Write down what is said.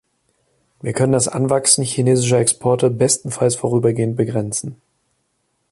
Wir können das Anwachsen chinesischer Exporte bestenfalls vorübergehend begrenzen.